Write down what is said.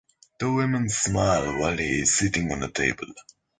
Two women smile while he is sitting on a table.